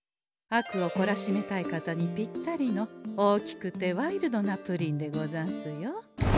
悪をこらしめたい方にぴったりの大きくてワイルドなプリンでござんすよ。